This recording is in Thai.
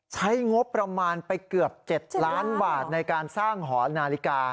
ใช้งบประมาณไปเกือบ๗ล้านบาทในการสร้างหอนาฬิกา